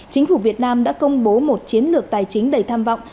chính phủ việt nam đã công bố một chiến lược tài chính đầy tham vọng